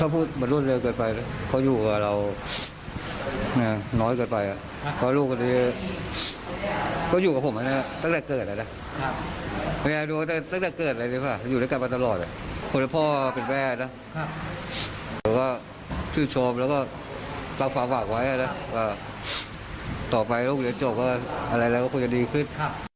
ผมก็ชื่นชมแล้วก็ตามความฝากไว้ต่อไปโรคเรียนจบอะไรแล้วก็คงจะดีขึ้น